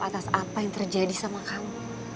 atas apa yang terjadi sama kamu